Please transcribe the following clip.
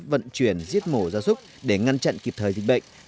vận chuyển giết mổ ra súc để ngăn chặn kịp thời dịch bệnh